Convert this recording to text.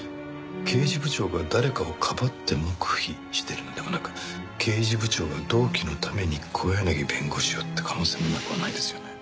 刑事部長が誰かをかばって黙秘してるのではなく刑事部長が同期のために小柳弁護士をって可能性もなくはないですよね。